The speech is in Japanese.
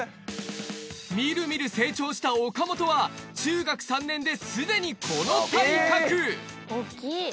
みるみる成長した岡本は中学３年ですでにこの体格。